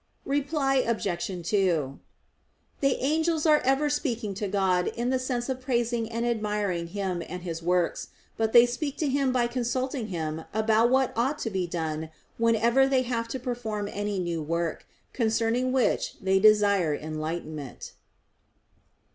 Reply Obj. 2: The angels are ever speaking to God in the sense of praising and admiring Him and His works; but they speak to Him by consulting Him about what ought to be done whenever they have to perform any new work, concerning which they desire enlightenment.